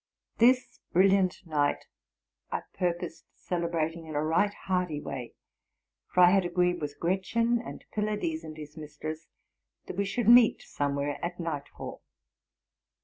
This brilliant night I purposed celebrating in a right hearty way; for I had agreed with Gretchen, and Pylades and his mistress, that we should meet somewhere at nightfall.